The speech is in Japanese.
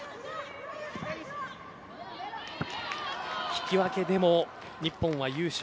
引き分けでも日本は優勝。